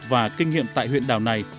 và kinh nghiệm tại huyện đảo này